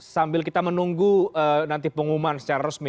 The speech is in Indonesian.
sambil kita menunggu nanti pengumuman secara resmi